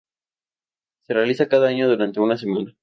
Se realiza cada año durante una semana.